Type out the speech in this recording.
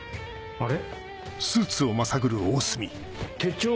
あれ？